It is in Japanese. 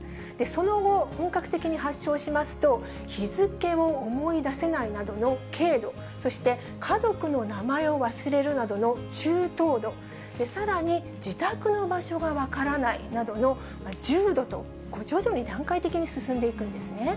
その後、本格的に発症しますと、日付を思い出せないなどの軽度、そして家族の名前を忘れるなどの中等度、さらに自宅の場所が分からないなどの重度と、これ、徐々に段階的に進んでいくんですね。